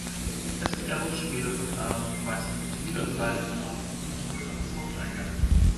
Er wurde später verkleinert, weist gegliederte Laibungen auf und dient heute als Haupteingang.